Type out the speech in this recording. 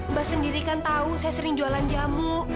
mbak sendiri kan tahu saya sering jualan jamu